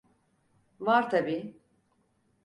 Var tabii.